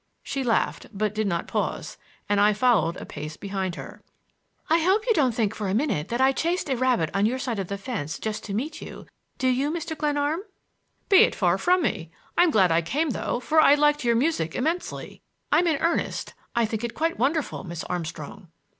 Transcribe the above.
She laughed, but did not pause, and I followed a pace behind her. "I hope you don't think for a minute that I chased a rabbit on your side of the fence just to meet you; do you, Mr. Glenarm?" "Be it far from me! I'm glad I came, though, for I liked your music immensely. I'm in earnest; I think it quite wonderful, Miss Armstrong."